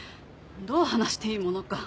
「どう話していいものか」